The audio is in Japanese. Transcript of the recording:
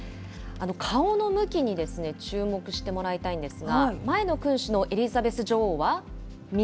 顔の向きに注目してもらいたいんですが、前の君主のエリザベス女王は右。